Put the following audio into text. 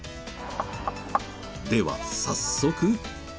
では早速。